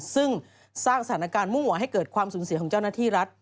ซึ่งสร้างสถานการณ์มุ่งหวังให้เกิดความสูญเสียของเจ้าหน้าที่รัฐ